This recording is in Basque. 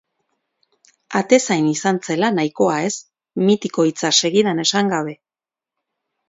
Atezain izan zela nahikoa ez, mitiko hitza segidan esan gabe.